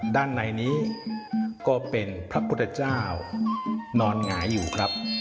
ด้านในนี้ก็เป็นพระพุทธเจ้านอนหงายอยู่ครับ